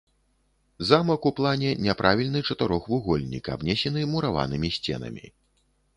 Замак у плане няправільны чатырохвугольнік, абнесены мураванымі сценамі.